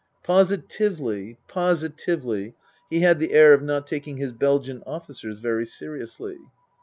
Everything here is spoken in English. Positively, positively, he had the air of not taking his Belgian officers very seriously.